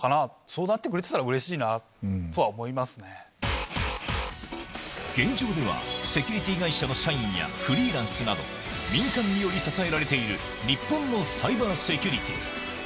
そうなってくれてたら、うれしい現状では、セキュリティ会社の社員やフリーランスなど、民間により支えられている日本のサイバーセキュリティ。